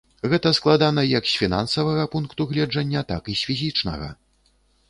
Гэта складана як з фінансавага пункту гледжання, так і з фізічнага.